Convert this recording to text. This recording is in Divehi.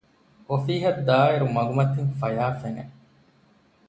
އޮފީހަށް ދާއިރު މަގުމަތިން ފަޔާ ފެނެ